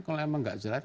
kalau memang gak jalan